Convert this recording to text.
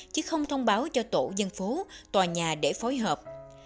chứ không thông báo cho tổ dân phố tòa nhà để phối hợp